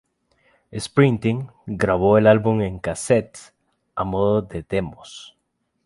Springsteen grabó el álbum en casetes a modo de demos.